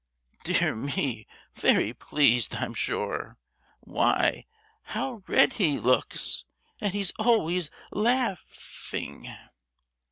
Dear me, very pleased, I'm sure; why, how red he looks, and he's always laugh—ing."